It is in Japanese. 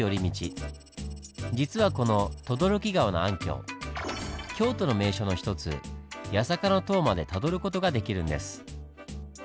実はこの轟川の暗渠京都の名所の一つ八坂の塔までたどる事ができるんです。